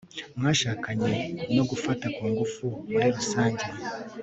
mwashakanye no gufata ku ngufu muri rusange